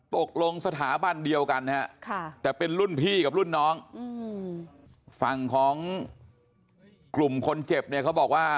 ตกลงสถาบันเดียวกันนะฮะแต่เป็นรุ่นพี่กับรุ่นน้องฝั่งของกลุ่มคนเจ็บเนี่ยเขาบอกว่า